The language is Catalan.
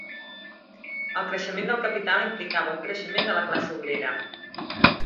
El creixement del capital implicava un creixement de la classe obrera.